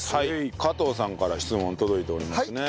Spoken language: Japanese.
加藤さんから質問届いておりますね。